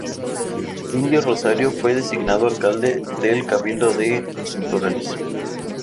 El indio Rosario fue designado alcalde del Cabildo de Naturales.